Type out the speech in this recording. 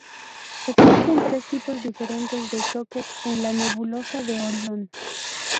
Existen tres tipos diferentes de choques en la nebulosa de Orión.